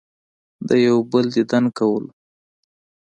د يو بل ديدن کولو